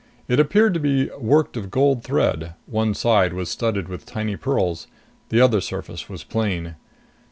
It appeared to be worked of gold thread; one side was studded with tiny pearls, the opposite surface was plain.